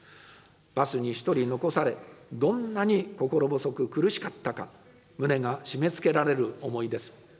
バスに１人残され、どんなに心細く苦しかったか、胸が締めつけられる思いです。